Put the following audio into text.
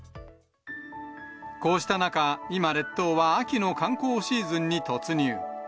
こうした中、今、列島は秋の観光シーズンに突入。